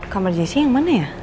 kamar jessi yang mana ya